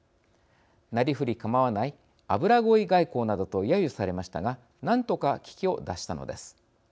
なりふり構わない油乞い外交などとやゆされましたが何とか危機を脱したのです。